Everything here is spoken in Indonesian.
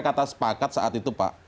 kata sepakat saat itu pak